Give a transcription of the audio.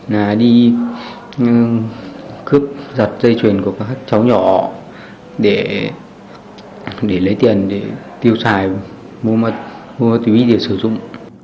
là đi cướp giật dây chuyền của các cháu nhỏ để lấy tiền để tiêu xài mua ma túy để sử dụng